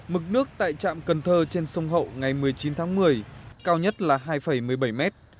mực nước tại trạm cần thơ trên sông hậu ngày một mươi chín tháng một mươi cao nhất là hai một mươi bảy mét